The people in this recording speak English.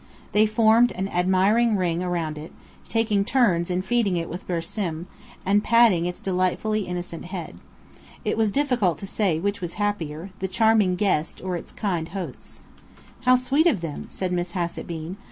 They formed an admiring ring round it, taking turns in feeding it with bersim, and patting its delightfully innocent head. It was difficult to say which was happier, the charming guest or its kind hosts. "How sweet of them!" said Miss Hassett Bean.